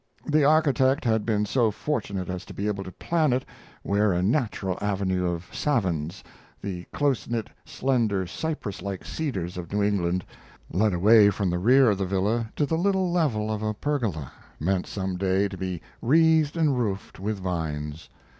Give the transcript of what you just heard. The architect had been so fortunate as to be able to plan it where a natural avenue of savins, the close knit, slender, cypress like cedars of New England, led away from the rear of the villa to the little level of a pergola, meant some day to be wreathed and roofed with vines.